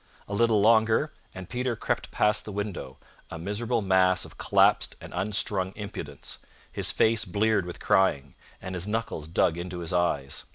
A little longer, and Peter crept past the window, a miserable mass of collapsed and unstrung impudence, his face bleared with crying, and his knuckles dug into his eyes.